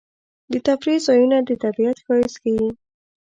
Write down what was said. د تفریح ځایونه د طبیعت ښایست ښيي.